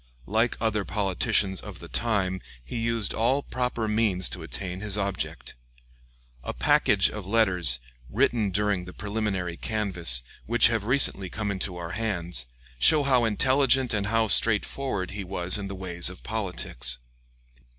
Like other politicians of the time, he used all proper means to attain his object. A package of letters, written during the preliminary canvass, which have recently come into our hands, show how intelligent and how straightforward he was in the ways of politics.